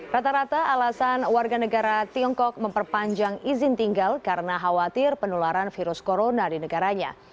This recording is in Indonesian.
rata rata alasan warga negara tiongkok memperpanjang izin tinggal karena khawatir penularan virus corona di negaranya